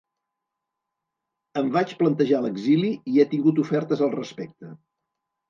Em vaig plantejar l’exili i he tingut ofertes al respecte.